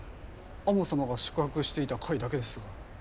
天羽様が宿泊していた階だけですが。